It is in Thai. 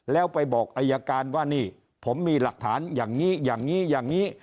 แล้วไปบอกอายการว่านี่ผมมีหลักฐานอย่างนี้อย่างนี้อย่างนี้